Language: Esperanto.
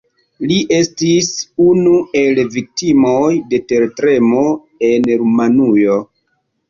Li estis unu el viktimoj de tertremo en Rumanujo.